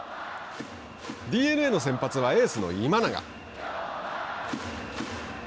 ＤｅＮＡの先発はエースの今永。